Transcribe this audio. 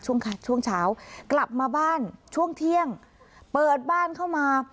ช่วงช่วงเช้ากลับมาบ้านช่วงเที่ยงเปิดบ้านเข้ามา